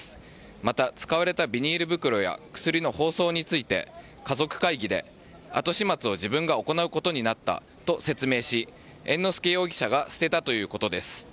また、使われたビニール袋や薬の包装について家族会議で後始末を自分が行うことになったと説明し、猿之助容疑者が捨てたということです。